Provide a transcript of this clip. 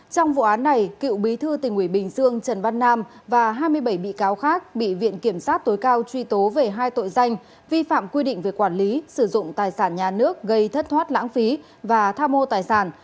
trong vụ án này cựu bí thư tỉnh ủy bình dương trần văn nam và hai mươi bảy bị cáo khác bị viện kiểm sát tối cao truy tố về hai tội danh vi phạm quy định về quản lý sử dụng tài sản nhà nước gây thất thoát lãng phí và tham mô tài sản